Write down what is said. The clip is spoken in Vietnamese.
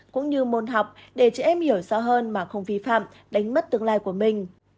cũng như môn học để chị em hiểu rõ hơn mà không vi phạm đánh mất tương lai của mình